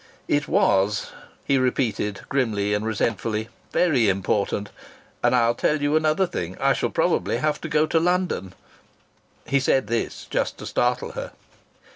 "It was!" he repeated grimly and resentfully. "Very important! And I'll tell you another thing. I shall probably have to go to London." He said this just to startle her.